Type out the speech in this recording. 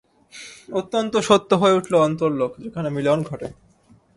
অত্যন্ত সত্য হয়ে উঠল অন্তরলোক, যেখানে মিলন ঘটে।